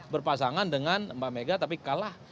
berpasangan dengan mbak mega tapi kalah